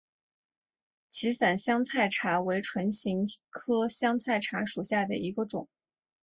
歧伞香茶菜为唇形科香茶菜属下的一个种。